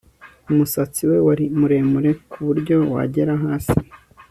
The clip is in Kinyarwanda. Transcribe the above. Umusatsi we wari muremure kuburyo wagera hasi